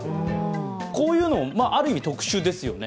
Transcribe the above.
こういうの、ある種、特殊ですよね。